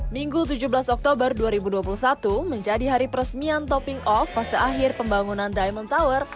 minggu tujuh belas oktober dua ribu dua puluh satu menjadi hari peresmian topping off fase akhir pembangunan diamond tower